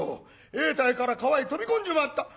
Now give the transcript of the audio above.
永代から川へ飛び込んじまった」。